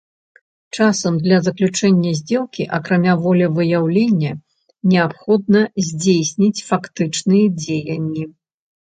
Часам для заключэння здзелкі, акрамя волевыяўлення, неабходна здзейсніць фактычныя дзеянні.